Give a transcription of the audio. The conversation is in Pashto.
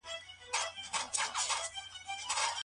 کورني ونې د هره ورځ ګټې لري.